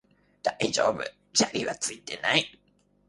大丈夫、砂利はついていない